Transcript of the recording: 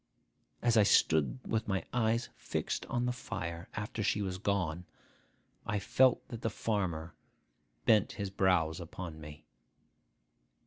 As I stood with my eyes fixed on the fire, after she was gone, I felt that the farmer bent his brows upon me.